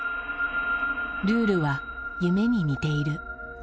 ルールは夢に似ている。